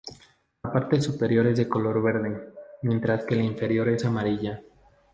La parte superior es de color verde, mientras que la inferior es amarilla.